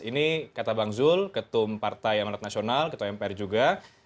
ini kata bang zul ketum partai amanat nasional ketua mpr juga